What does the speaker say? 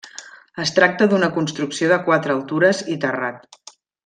Es tracta d'una construcció de quatre altures i terrat.